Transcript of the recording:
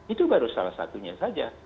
itu baru salah satunya saja